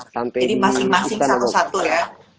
jadi masing masing satu satu ya